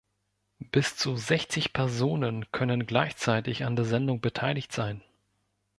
Bis zu sechzig Personen können gleichzeitig an der Sendung beteiligt sein.